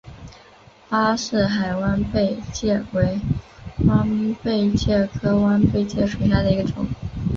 巴士海弯贝介为弯贝介科弯贝介属下的一个种。